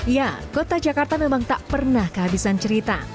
ya kota jakarta memang tak pernah kehabisan cerita